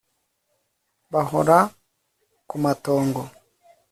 Bahora kumatongo